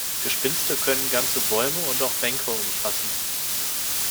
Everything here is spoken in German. Gespinste können ganze Bäume und auch Bänke umfassen.